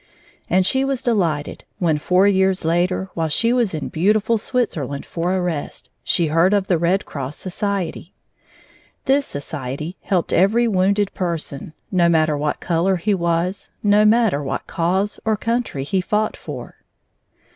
And she was delighted when, four years later, while she was in beautiful Switzerland for a rest, she heard of the Red Cross Society. This society helped every wounded person, no matter what color he was, no matter what cause or country he fought for.